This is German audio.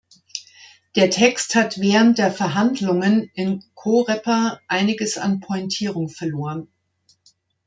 Der Text hat während der Verhandlungen in Coreper einiges an Pointierung verloren.